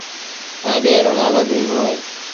ائيٚݩ ٻي رو نآلو ڀيٚموݩ اهي۔